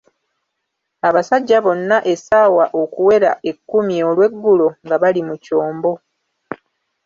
Abasajja bonna essaawa okuwera ekkumi olw'eggulo nga bali mu kyombo.